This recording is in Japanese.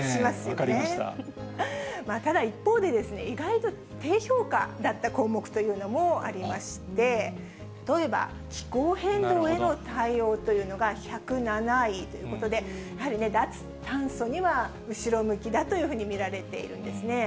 ただ、一方で、意外と低評価だった項目というのもありまして、例えば気候変動への対応というのが１０７位ということで、脱炭素には後ろ向きだというふうに見られているんですね。